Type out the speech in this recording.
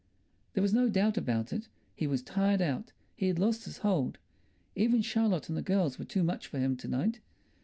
There was no doubt about it, he was tired out; he had lost his hold. Even Charlotte and the girls were too much for him to night.